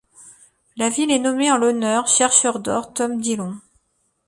La ville est nommée en l'honneur chercheur d'or Tom Dillon.